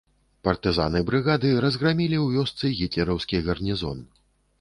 Партызаны брыгады разграмілі ў вёсцы гітлераўскі гарнізон.